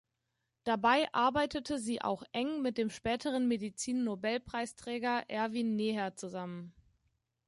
Dabei arbeitete sie auch eng mit dem späteren Medizin-Nobelpreisträger Erwin Neher zusammen.